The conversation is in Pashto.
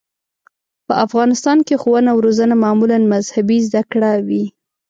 په افغانستان کې ښوونه او روزنه معمولاً مذهبي زده کړې وې.